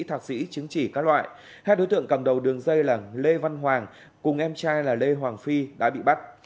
thạc sĩ chứng chỉ các loại hai đối tượng cầm đầu đường dây là lê văn hoàng cùng em trai là lê hoàng phi đã bị bắt